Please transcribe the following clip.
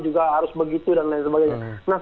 juga harus begitu dan lain sebagainya